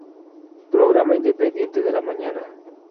Programa independiente de la mañana.